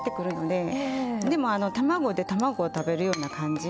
でもあの卵で卵を食べるような感じ。